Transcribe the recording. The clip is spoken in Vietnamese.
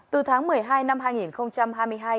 từ tháng một mươi hai năm hai nghìn hai mươi hai